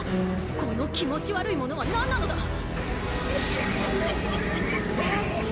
この気持ち悪いものは何なのだ⁉よこせよこせ！